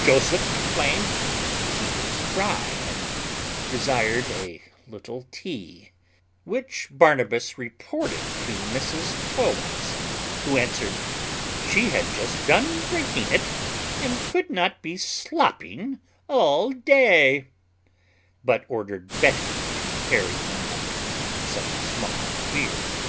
Joseph complained he was dry, and desired a little tea; which Barnabas reported to Mrs Tow wouse, who answered, "She had just done drinking it, and could not be slopping all day;" but ordered Betty to carry him up some small beer.